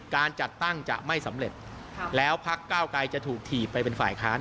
การจัดตั้งจะไม่สำเร็จแล้วพักเก้าไกรจะถูกถีบไปเป็นฝ่ายค้าน